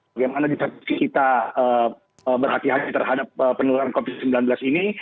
bagaimana kita berhati hati terhadap penularan covid sembilan belas ini